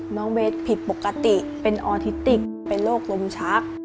เวทผิดปกติเป็นออทิติกเป็นโรคลมชัก